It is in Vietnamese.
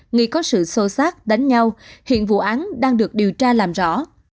nghi có sự xô sát đánh nhau hiện vụ án đang được điều tra làm rõ